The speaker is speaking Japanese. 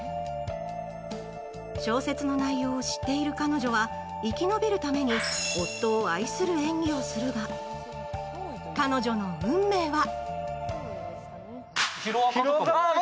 小説の内容を知っている彼女は、生き延びるために夫を愛する演技をするが彼女の運命は！？